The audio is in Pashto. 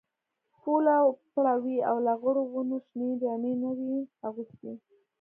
پوله وپړه وې او لغړو ونو شنې جامې لا نه وې اغوستي.